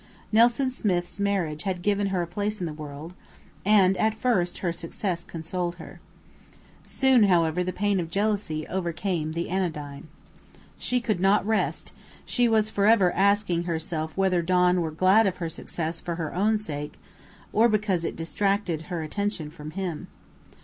Nelson Smith's marriage had given her a place in the world, and at first her success consoled her. Soon, however, the pain of jealousy overcame the anodyne. She could not rest; she was forever asking herself whether Don were glad of her success for her own sake, or because it distracted her attention from him.